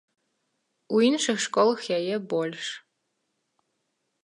У іншых школах яе больш.